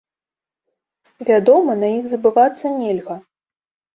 Вядома, на іх забывацца нельга.